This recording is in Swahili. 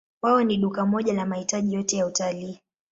Wao ni duka moja la mahitaji yote ya utalii.